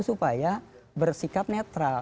supaya bersikap netral